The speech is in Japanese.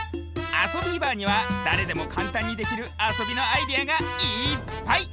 「あそビーバー」にはだれでもかんたんにできるあそびのアイデアがいっぱい！